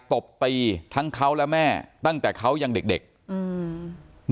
ตบตีทั้งเขาและแม่ตั้งแต่เขายังเด็กเด็กอืม